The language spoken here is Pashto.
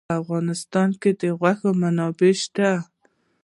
په افغانستان کې د غوښې منابع شته.